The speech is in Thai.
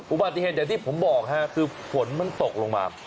อุบัติเหตุอย่างที่ผมบอกฮะคือฝนมันตกลงมา